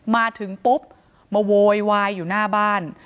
มาถึงปุ๊บมาโวยวายอยู่หน้าบ้าน